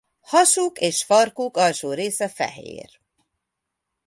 Hasuk és farkuk alsó része fehér.